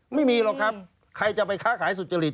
ไม่มีหรอกครับใครจะไปค้าขายสุจริต